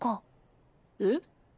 えっ？